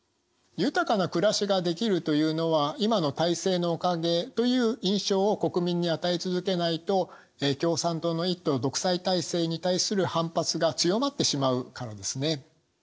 豊かな暮らしができるというのは今の体制のおかげという印象を国民に与え続けないと共産党の一党独裁体制に対する反発が強まってしまうからですね。